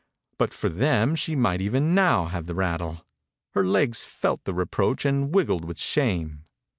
But for them she might even now have the rattle. Her legs felt the reproach and wiggled with shame.